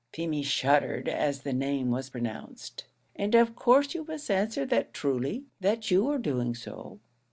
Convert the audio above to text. Feemy shuddered as the name was pronounced. "And of course you must answer that truly that you were doing so.